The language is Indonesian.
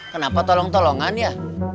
kenapa tolong tolongan ya